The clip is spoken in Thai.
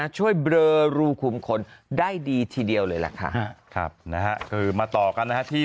ช่วยเบลอรูขุมขนได้ดีทีเดียวเลยแหละค่ะคือมาต่อกันที่